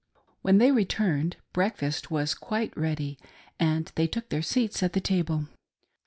When they returned, breakfast was quite ready, and they took their seats at the table.